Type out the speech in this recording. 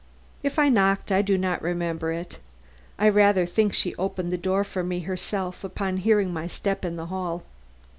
If I knocked I do not remember it. I rather think she opened the door for me herself upon hearing my step in the hall.